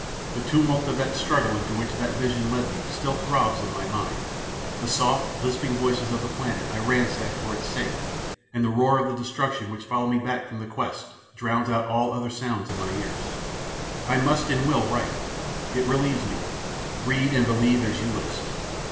The tumult of the struggle into which that vision led me still throbs in my mind, the soft, lisping voices of the planet I ransacked for its sake and the roar of the destruction which followed me back from the quest drowns all other sounds in my ears! I must and will write it relieves me; read and believe as you list.